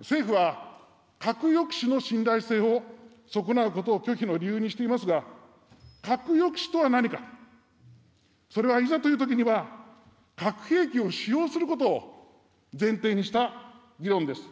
政府は核抑止の信頼性を損なうことを拒否の理由にしていますが、核抑止とは何か、それはいざというときには、核兵器を使用することを前提にした議論です。